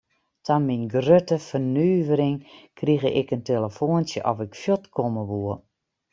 Ta myn grutte fernuvering krige ik in telefoantsje oft ik fuort komme woe.